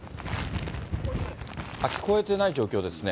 聞こえてない状況ですね。